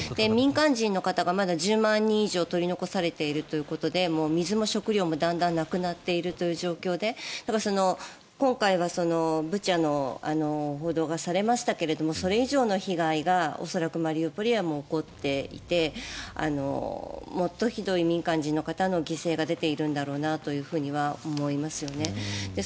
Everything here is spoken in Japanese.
民間人の方がまだ１０万人以上取り残されているということで水も食料もだんだんなくなっているという状況で今回はブチャの報道がされましたがそれ以上の被害が恐らくマリウポリは起こっていてもっとひどい民間人の方の犠牲が出ているんだろうなとは思いますよね。